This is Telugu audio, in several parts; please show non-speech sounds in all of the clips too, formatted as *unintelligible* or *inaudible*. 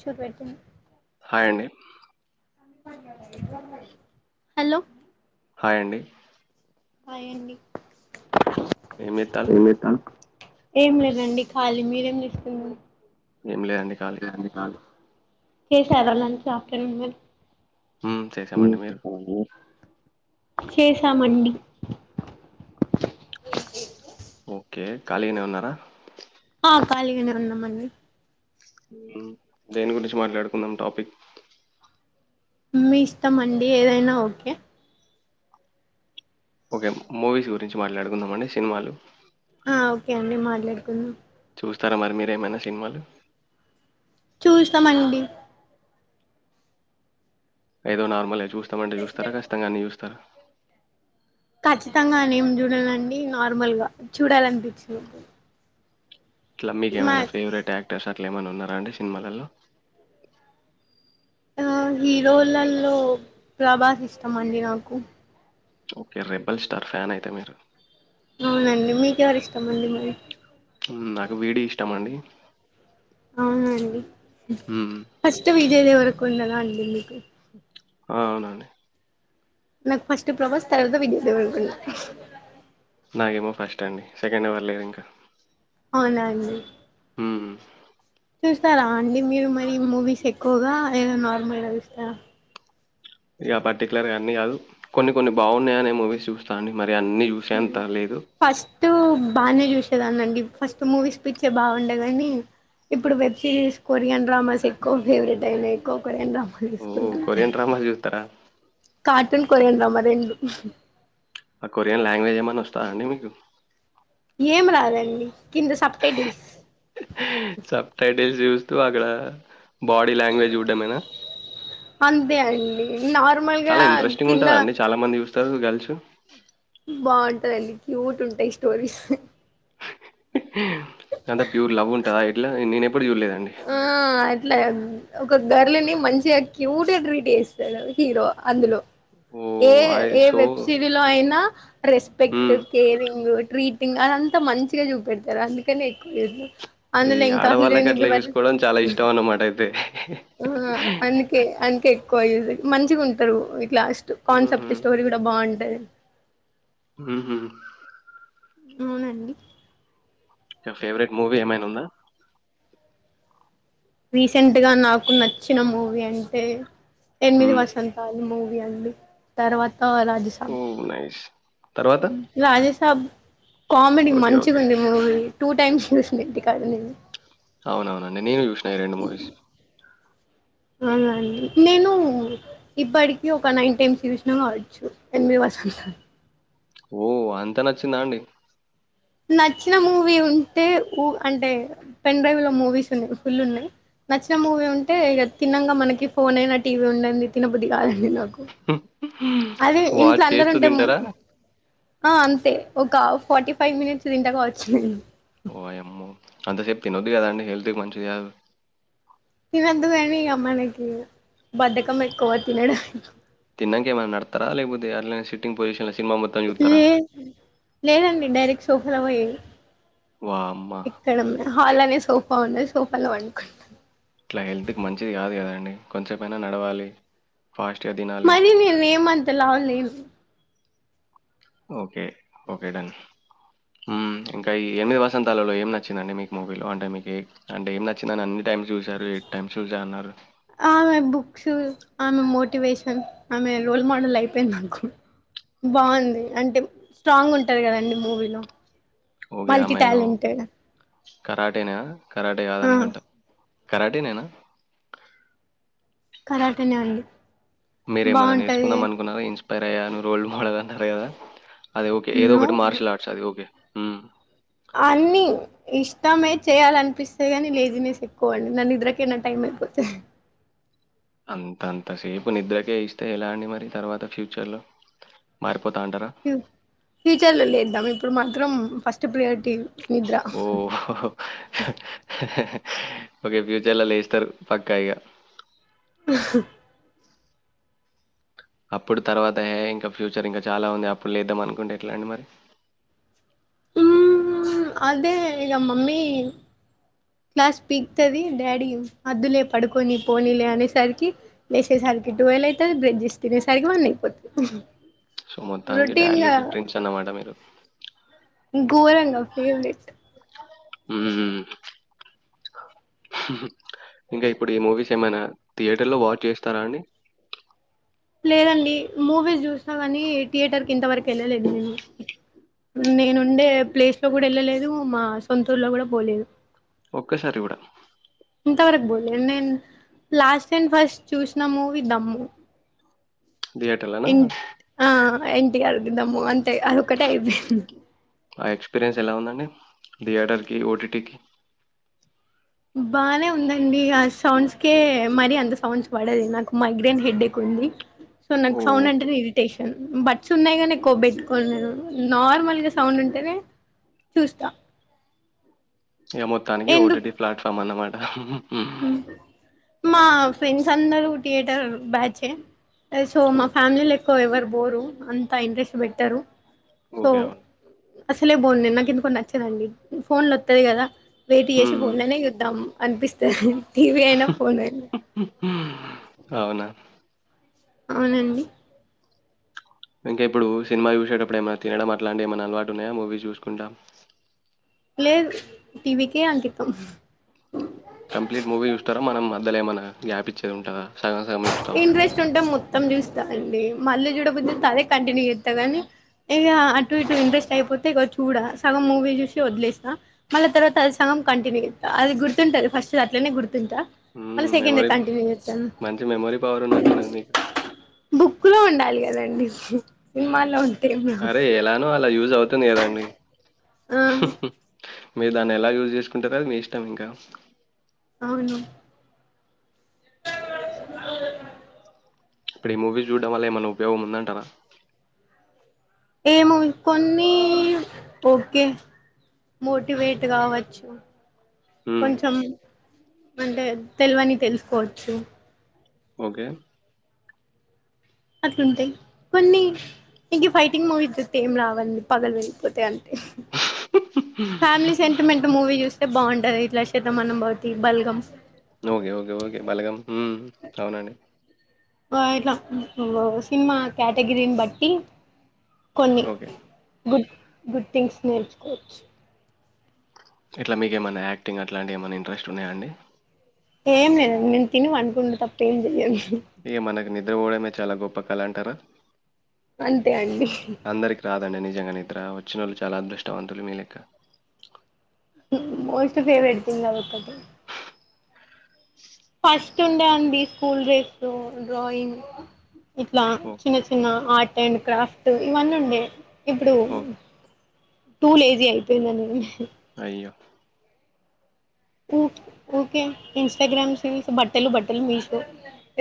చూపెట్టండి ఏయండి? హలో హాయండి. హాయండి ఏం జేత్తాల్లు? ఎంజేత్తాళ్లు? ఏం లేదండి ఖాళీ, మీరేం చేస్తున్రు? ఏం లేదండి, ఖాళీ. *unintelligible* After noon ma'am. హ్మ్. చేశామండి లంచ్ మీరు? చేసారా అండి మీరు? చేశామండి. ఓకే, ఖాళీగనే ఉన్నారా? ఆ కాలిగనే ఉన్నామండి ఉమ్, దేని గురించి మాట్లాడుకుందాం టాపిక్? మీ ఇస్టమండి, ఏదైనా ఓకే! ఓకే, మూవీస్ గురించి మాట్లాడుకుందామ అండి సినిమాలు? ఆ ఓకే అండి, మాట్లాడుకుందామ్. చూస్తరా మరి మీరేమైనా సినిమాలు? చూస్తమండి. ఏదో నార్మల్ ఎజ్ చూస్తమంటే చూస్తారా? కచ్చితంగా అన్ని చూస్తరా? ఖచ్చితంగా అనేం చూడనండి, నార్మల్గా చూడాలన్పిచ్చినపుడు. ట్ల మీకేమైనా ఫేవరెట్ యాక్టర్స్ అట్ ట్ల ఏమైన్నా ఉన్నరా అండి, సినిమాలల్లో ఆ హీరోలల్లో ప్రభాస్ ఇష్టమండి నాకు. ఓకే రెబల్ స్టార్ ఫ్యాన్ అయితే మీరు అవునండి మీకెవరి ఇష్టం అండి మరి నాకు వీడి ఇష్టం అండి అవునండి హ్మ్. ఫస్ట్ విజయ్ దేవర కొండెలా అడిందికి అవునండి నా ఫస్ట్ ప్రభస్ తరువాత విజయ్ దేవరకొండ నాగేమో ఫస్ట్ అండి సెకండ్ ఎవ్వర్లేదు ఇంకా అవునా స్తారా అండి మీరు మరి మూవీస్ ఎక్కువగా లేదా నార్మల్గా చూస్తారా ఇగ పర్టిక్యులర్గా అన్ని కాదు కొన్ని కొన్ని బాగున్నాయి అనే మూవీస్ చూస్తా అండి మ ఫస్ట్ బానే చూసే చదానండి ఫస్ట్ మూవీస్ పిచ్చే బాగుండేగనీ ఇప్పుడు వెబ్ సిరీస్ కొరియన్ డ్రామాస్ ఎక్కువ ఫేవరెట్ అయినాయి ఎక్కువ కొరియన్ డ్రామా ఓ కొరియన్ డ్రామా చూస్తారా కార్టూన్ కొరియన్ డ్రామా రెండు ఆ కొరియన్ లాంగ్వేజ్ ఏమన్నా వస్తాదా అండి మీకు ఏం రాదండి కింద సబ్ టైటిల్స్ సప్ టైటిల్ జూస్ తూ అగడ బాడీ లాంగ్వేజ్ చూడ్డమేనా? అంతే అండి నార్మల్గా కింద గర్ల్సు బాగుంటది అండి క్యూట్ ఉంటయి స్టోరీస్ అంటే ప్యూర్ లవ్ ఉంటదా ఎట్ల నేనే చుడ్లే ఆ ఎట్ల ఒక గర్ల్ని మంచిగా క్యూట్గా ట్రీట్ చేస్తాడు. హీరో అందులో ఏ ఓహ్! అయి ఏ సో వెబ్సిరీలో అయినా రెస్పెక్ట్, హ్మ్. కేరింగ్, ట్రీట్ ఇంగ అదంతా మంచిగా చూపెడతరు అందుకనే ఎక్కొ చూ ఈ అందులో ఇంకా ఆడవాళ్ళకి హీరోయిన్ ఇ అట్లా చూసుకోవడం చాలా ఇష్టం అన్నమాట అయితే అందుకే అందుకే ఎక్కువ చూసి మంచిగుంటరు. లాస్ట్ హుహు. కాన్సెప్ట్ స్టోరీ కూడా బాగుం హు హు అవునండి ఫేవరెట్ మూవీ ఏమైనా ఉందా రీసెంట్ గా నాకు నచ్చిన మూవీ అంటే ఎనిమిది హ్మ్. వసంతాలు మూవీ అండి తర్వాత ఆ రాజసభ ఓహ్! నైస్. తర్వాత? రాజస అమ్ కామెడీ ఓకే. ఓకే. మంచిగా ఉంది మూవీ టూ *unintelligible* అవునవునండి. నేను జూషిన ఈ మూవీస్. అవునాండి నేను ఇప్పటికీ ఒక నైన్ టైమ్స్ చూసినా కావచ్చు ఎన్మి వస సార్ ఓ అంతా నచ్చిందా అండి నచ్చిన మూవీ ఉంటే ఊ అంటే పెన్ డ్రైవ్ లో మూవీస్ ఉన్నాయి ఫుల్ ఉన్నాయి నచ్చిన మూవీ ఉంటే ఇ తిన్నంగా మనకి ఫోన్ అయినా టీవీ ఉందంది తినబద్ది కాదండి నాకు అదే ఇంట్లో వాచ్ అందరు చేస్తూ ఉంటే తింటారా? ఆ అంతే ఒక ఫార్టీ ఫైవ్ మినిట్స్ తింటగా వచ్చిందండి ఓ అమ్మో అంత సేప్తి న వద్ది కదా అండి హెల్త్కి మంచిది కాదు తందుకేని ఇక మనకి బధకం ఎక్కువ తినడం తినాక ఏమైనాడారా లేకపోతే అ సిట్టింగ్ పొజిషన్ లే లేదండి డైరెక్షన్ శహవయి వామ్మా! ఎక్కడన్నా హల్ అనే సోఫ అవును సోఫల్ వంకుంట ఇట్లా హెల్త్కి మంచిది కాదు కదండి కొంచసేపుైయినా నడవాలి ఫాస్ట్‌గా తినాలి. మరి నేను ఏమంత లావలేను ఓకే ఓకే డన్ ఇంకా ఈ ఎనిమిది వసంతాలలో ఏం నచ్చిందండి మీకు మూవీలో అంటే మీకు అంటే ఏం నచ్చిందని అన్ని టైమ్స్ చూసారు ఎ టైమ్స్ చూస అన్నారు ఆమె బుక్స్ ఆమె మోటివేషన్ ఆమె రోల్ మోడల్ అయిపోయి నాకు బాగుంది అంటే స్ట్రాంగ్ ఉంటారు కదండడి మూవీలో ఓకే మల్టీ అమ్మా ఏదో టాలెంటెడ్ కరాటేనా కరాటే ఆ కాదనుకుంటా కరాటనేనా కరాటనేవ్వండి మీరేమన్నా నేర్చుకుందామ అకున్నార ఇ ప్పయాను రోల్ మోడల్ అ అద అదేఓకే ఏద నో ఒకటిార్షల్ ఆట్ అది ఓకే హ్మ్. అన్ని ఇష్టమే చేయాలనిపిస్తే కానీ లేజినెస్ ఎక్కువ అండి నన్ను నిద్రకనా టైం అయిపోతే అంతంత సేపు నిద్రకే ఇస్తే ఎలా అండి మరి తర్వాత ఫ్యూచర్ లో మరి ఫ్యూచర్ లో లేద్దాం ఇప్పుడు మా ఫస్ట్ ప్రియార్ట్ ఓ ఓకే ఫ్యూచర్ల లేస్తారు పక్కా ఇగ హ్ అప్పుడు తర్వాత హ ఇంకా ఫ్యూచర్ ఇంకా చాలా ఉంది అప్పుడు లేద్దాం అనుకుంటే ఎట్లా అండి మరి అదే ఇగ మమ్మీ క్లాస్ పీకుతది. డాడీ అద్దులే పడుకొని పోనీలే అనేసరికి లేసేసరికి టువెల్వ్ అయితది బ్రెస్ చేసి తినేసరికి వన్ అయిపోతది. మొత్తానికి డాడీ లిటిల్ ప్రిన్స్ అన్నమాట మీరు ఘోరంగా ఫేవరెట్ మ్ ఇంకా ఇప్పుడు ఈ మూవీస్ ఏమైనా థియేటర్ లో వాచ్ చేస్తారా అండి. లేదండి మూవీస్ చూసినా కానీ థియేటర్ కి ఇంతవరకు వెళ్ళలేదు. నేనుండే ప్లేస్ లో కూడా వెళ్ళలేదు మా సొంతూరులో కూడా పోలేదు. ఒక్కేసారి ఇవడ ఇంతవరకు నేను లాస్ట్ అండ్ ఫస్ట్ చూసిన మూవీ దమ్ము థియేటర్‌లోనా? ఇన్ ఆ ఇన్ క్లియర్ గా ఉందా మోహన్ ఎ అదొక్కటే అయిపెంది. థియటర్కి ఓటిటికి బానే ఉందండి ఆ సౌండ్స్కే మరీ అంత సౌండ్స్ పడది నాకు మైగ్రైన్ హెడ ఎక్ ఉంది. సో నాకు సౌండ్ ఓకే. అంటే ఇరిటేషన్ బట్ స్టేట్స్ఉన్నాయిగాని ఎక్కువబెట్టుకోను నేను నార్మల్గా సౌండ్ ఉంటేనే చూస్తా మొత్తానికి ఓ టి ఎందుకు డి ప్లాట్ఫార్మ్ అన్నామాట ఆహ్ హుమ్ హ్మ్ మా ఫ్రెండ్స్ అందరూ థియటర్ బ్యాచ్ చే అల్సొ ఓ మా ఫ్యామిలీ ఎక్కువ ఎవ్వరు బోరు అంత ఇంట్రెస్ట్ పెట్టారు. ఒకే అవును అసలే బోన్ నిన్న కేందుకో నచ్చదండి. ఫోన్లో వస్తది కదా వెయిట్ చేసి హ్మ్. ఫోన్లోనే చూద్దాం అనిపిస్ టీవీ అయిన ఫోన్ అయినా అవునా అవునండి ఇంకా ఇప్పుడు సినిమా చూసేటప్పుడు ఏమైన్నా తినడం అట్లాంటివి ఏమైనా అలవాటు ఉన్నాయా మూవీస్ చూసుకుంటా లేదు టీ వీ కే అంకితం కంప్లీట్ మూవీ చూస్తార మనంమా పెద్దలే ఏమన్నా గ్యాప్ ఇచ్చేది ఉంటుందా ఇంట్రెస్ట్ ఉంటే మొత్తం చూస్తా అండి మళ్ళీ చూడబొద్దు అదే కంటిన్యూ చేస్తా కానీ ఇక అటు ఇటు ఇంట్రెస్ట్ అయిపోతే ఇక చూడ సగం మూవీ చూసి వదిలేస్తా మళ్ళీ తర్వాత అది సగం కంటిన్యూస్త అది గుర్తుంటుంది ఫస్ట్ అట్లనే గుర్తు మ హ్మ్. సెకండ్ కంటిన్యూ ఇతాను రన్నటున్నా అకు కుక్కు లో ఉండాలి కదండి సినిమాల్లో ఉ అరే ఎలాను అలా ూ చదువుతుంది కదాండి హ్మ్మ్ మీరు దాన్ని ఎలా యూజ్ చేసుకుంటారో అది మీ ఇష్టం ఇంకా అవును ఇప్పుడు ఈ మూవీ చూడడం వల్ల ఏమన్నా ఉపయోగం ఉందంటారా ఏమో కొన్ని ఓకే మోటివేట్ కావచ్చు హ్మ్. కొంచం అంటే తెలివని తెలుసుకోవచ్చు ఓకే అట్లుంటాయి కొన్ని ఇంక ఫైటింగ్ మూవీ ఏం రావండి పగలు వెళ్ళిపోతే అని ఫ్యామిలీ సెంటిమెంట్ మూవీ చూస్త అే బాగుంటది ఇట్లా Shatamanam Bhavati Balagam okay okay okay Balagam అవునండి ఆ సినిమా క్యాటగిరీని బట్టి కొన్ని ఓకే. గుడ్ గుడ్ థింగ్స్ నేర్చుకోవచ్చు ఇట్లా మీక ఏమన్నా యాక్టింగ్ అట్లాంటివి ఏమన్నా ఇంట్రెస్ట్ ఉన్నాయాండి ఏం లేదుడి నేను తిని అనుకుంటే తప్ప ఏం చెయ్యాలి ఇ మనకు ని అే ఓడమ చాలా గొప్ప కలా అంటారు అంతే అండి దండి నిజంగా నిధర వచ్చిన వాళ్ళు చాలా అదృష్టవంతులు మీ లెక్క మోస్ట్ ఫేవరెట్ తింగ్ ఆది ఒక్కటే ఫస్ట్ ఉండ అండి స్కూల్ డేడ్స్ డ్రాయింగ్ ఇట్లా ఓహ్! చిన్న చిన్న ఆర్ట్ అండ్ క్రాఫ్ట్ ఇవన్న ఉండ ఇప్పుడు ఓకే. టూ లేజీ అయిపోయింద నే అయ్యో ఓకే ఇన్స్టాగ్రామ్ సీల్స్ బట్టలు బట్టలు మీస్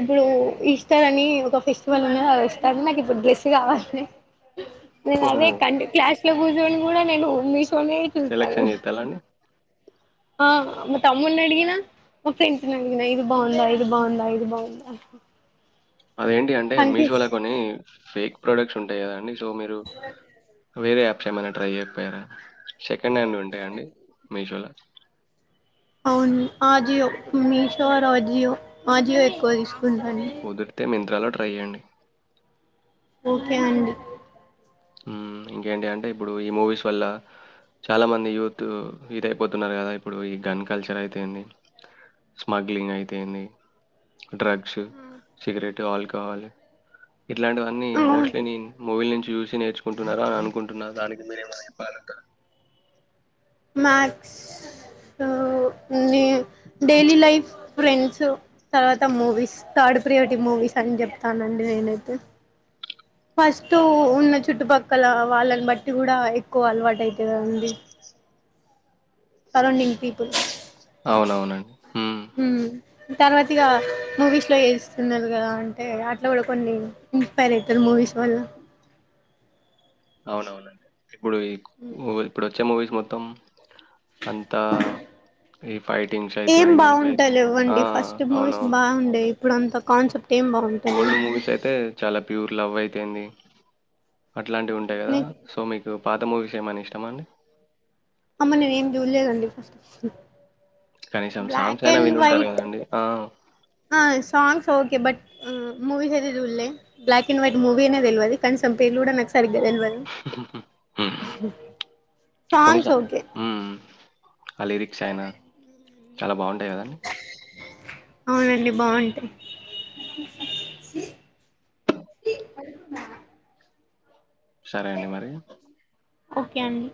ఇప్పుడు ఈస్టర్ అని ఒక ఫెస్టివల్ ఉన్నదిదిస్తారు నాకు ఇప్పుడు డ్రెస్సు కావాలని నే ఓహో! నవే కంటి క్లాష్ ఇట్ల కూచొని కూడా నేను మిష్ తోనే చూస్తాడు సెలక్షన్ జేత్తాల్లా అండి? ఆ మా తమ్ముని అడిగిన మా ఫ్రెండ్ ని స్ అడిగినా ఇది బాగుందా ఇది బాగుందా ఇది బాగుందా అదేంటి అంటే మీషో కనిపిస్ కొని ఫేక్ ప్రొడక్ట్స్ ఉంటాయి కదండి తో మీరు వేరే అప్స్ ఏమన ట్రై చేయకపోయారా సెక్ సెకండ్ హ్యాండ్ ఉంటాయండి మీషోలో *unintelligible* అవును ఆజియో మీషో ఆర్ ఆజియో ఆజియో ఎక్కువ ఇష్ కుదుర్తే మింత్రాలో ట్రై చేయండి ఓకే అండి ఊ ఇంకేంటి అంటే ఇప్పుడు ఈ మూవీస్ వల్ల చాలా మంది యూత్ ఇద అయిపోతున్నారు కదా ఇప్పుడు ఈ గన్ కల్చర్ అయితేంది స్మగ్లింగ్ అయితేంది డ్రగ్స్ ఉ సిగరెట్ ఆల్కహాల్ ఇట్లాంటివన్నీ మోస్ట్లీ నీన్ మూవిలో నుంచి చూసి నేర్ నుకుంటున్నారా అని అనుకుంటున్నారు దానికి మీరేమ చెప్పాలంటె మాక్సు డైలీ లైఫ్ ఫ్రెండ్స్ తర్వాత మూవీస్ థర్డ్ ప్రియారిటీ మూవీస్ అని చెప్తానండి నేనైతే ఫస్ట్ ఉన్న చుట్టుపక్కల వాళ్ళని బట్టి కూడా ఎక్కువ అలవాటు అయితంది సరౌండింగ్ పీపుల్ అవునవునండి ఊ మ్మ్. తర్వాత ఇగా మూవీస్ లో వేస్తున్నారు కదా అంటే అట్లా కూడా కొన్ని ఇన్స్పైర్ అయితరు మూవీస్ వల్ల అవునవునండి ఇప్పుడు ఈ మ్మ్. ఇప్పుడు వచ్చే మూవీ మొత్తం అంతా ఈ ఫైటింగ్స్ ఏం అయితేంది ఇవి అయితుంది ఆ బాగుంటలేవండి ఫస్ట్ మూవీస్ అవునవును బాగుండేవి ఇప్పుడు అంత కాన్ సెప్ ఓల్డ్ మూవీస్ అయితే చాలా ప్యూర్ లవ్ అయి కేంది అట్లాంటివి ఉంటాయి కదా నే సో మీకు పాత మూవీస్ ఏమన ఇష్టమా అండి అమ్మ నేను ఏం చూడలేదండి ఫస్ట్ కనీసం సాంగ్స్ బ్లాక్ అయినా అండ్ వినుంటారు వైట్ కదండి ఆ ఆ సాంగ్స్ ఓకే బట్ ఉ మూవీస్ ఐతే చులే బ్లాక్ అండ్ వైట్ మూవీనే తెల్వది కనీసం పేర్లు కూడా నాక్ స సరిగా తెలువదు హ్మ్. సాంగ్స్ ఓకే అ లిరిక్స్ అయినా చాలా బాగుంటాయి కదండి అవునండి బాగుంటయి సరే అండి మరి ఓకే అండి